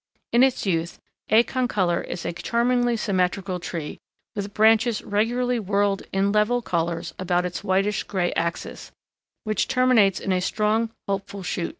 In its youth A. concolor is a charmingly symmetrical tree with branches regularly whorled in level collars around its whitish gray axis, which terminates in a strong, hopeful shoot.